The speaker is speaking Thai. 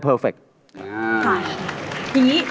โปรดติดตามต่อไป